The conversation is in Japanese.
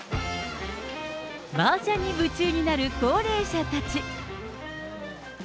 マージャンに夢中になる高齢者たち。